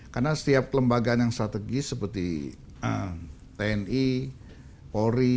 karena setiap lembaga yang strategis seperti tni polri